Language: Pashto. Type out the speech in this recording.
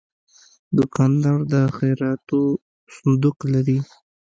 دوکاندار د خیراتو صندوق لري.